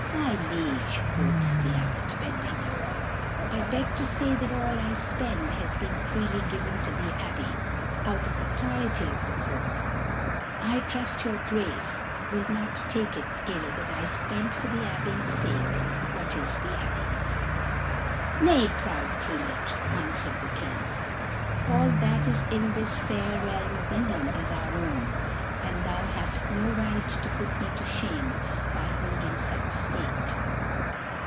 "My liege," quoth the Abbot, bending low, "I beg to say that all I spend has been freely given to the Abbey out of the piety of the folk. I trust your Grace will not take it ill that I spend for the Abbey's sake what is the Abbey's." "Nay, proud prelate," answered the King, "all that is in this fair realm of England is our own, and thou hast no right to put me to shame by holding such state.